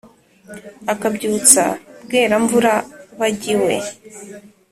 akabyutsa bwéramvúra bajya iwe